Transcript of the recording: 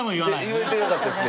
言ってなかったですね。